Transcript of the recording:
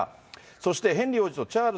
そして、ヘンリー王子とチャール